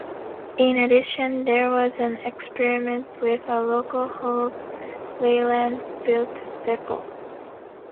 In addition, there was an experiment with a loco-hauled Leyland-built vehicle.